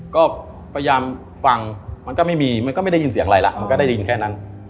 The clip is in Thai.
ก็พยายามฟังมันก็ไม่มีมันก็ไม่ได้ยินเสียงอะไรล่ะมันก็ได้ยินแค่นั้น